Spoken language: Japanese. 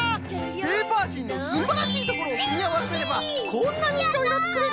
ペーパーしんのすんばらしいところをくみあわせればこんなにいろいろつくれちゃう。